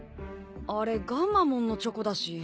あれガンマモンのチョコだし。